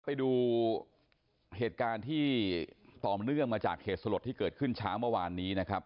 ไปดูเหตุการณ์ที่ต่อเนื่องมาจากเหตุสลดที่เกิดขึ้นเช้าเมื่อวานนี้นะครับ